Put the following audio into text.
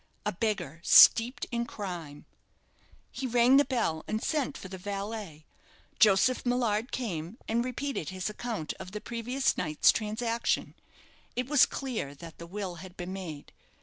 A beggar, steeped in crime. He rang the bell and sent for the valet. Joseph Millard came, and repeated his account of the previous night's transaction. It was clear that the will had been made.